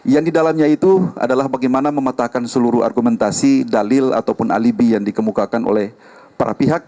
yang didalamnya itu adalah bagaimana memetakkan seluruh argumentasi dalil ataupun alibi yang dikemukakan oleh para pihak